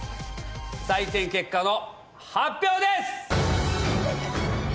採点結果の発表です！